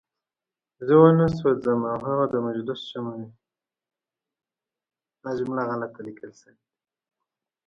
زه وانه سوځم او هغه د مجلس شمع وي.